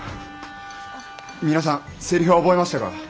皆さんセリフは覚えましたか？